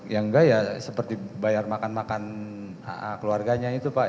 ya enggak ya seperti bayar makan makan keluarganya itu pak